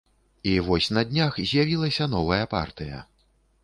І вось на днях з'явілася новая партыя.